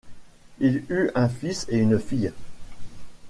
Il eut un fils et une fille.